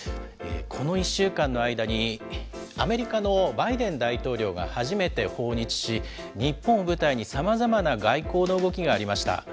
この１週間の間に、アメリカのバイデン大統領が初めて訪日し、日本を舞台にさまざまな外交の動きがありました。